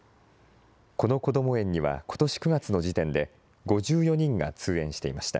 このこども園には、ことし９月の時点で、５４人が通園していました。